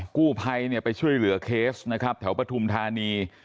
กู้ไภไปช่วยเหลือเคสนะครับแถวประธุมธานี